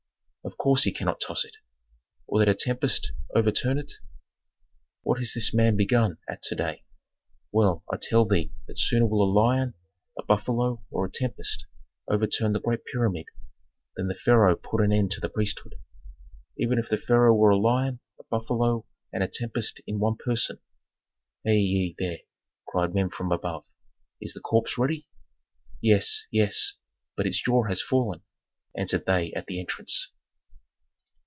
"Of course he cannot toss it." "Or that a tempest overturned it." "What has this man begun at to day?" "Well, I tell thee that sooner will a lion, a buffalo, or a tempest overturn the great pyramid than the pharaoh put an end to the priesthood. Even if that pharaoh were a lion, a buffalo, and a tempest in one person." "Hei ye, there!" cried men from above. "Is the corpse ready?" "Yes, yes; but its jaw has fallen," answered they at the entrance.